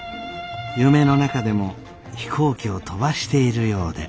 夢の中でも飛行機を飛ばしているようで。